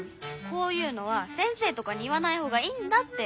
こういうのは先生とかに言わないほうがいいんだって。